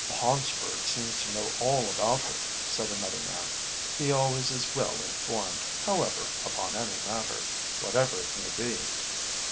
"Paunceford seems to know all about her," said another man. "He always is well informed, however, upon any matter, whatever it may be.